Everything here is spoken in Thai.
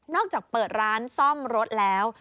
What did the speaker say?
จากเปิดร้านซ่อมรถแล้ว